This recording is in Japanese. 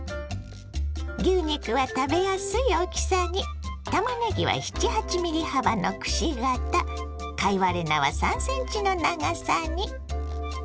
牛肉は食べやすい大きさにたまねぎは７８ｍｍ幅のくし形貝割れ菜は３ｃｍの長さに。